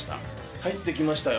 入ってきましたよ。